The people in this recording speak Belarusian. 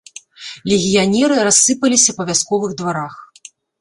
Легіянеры рассыпаліся па вясковых дварах.